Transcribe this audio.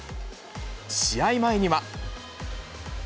試合前には。